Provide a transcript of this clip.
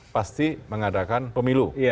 pasti mengadakan pemilu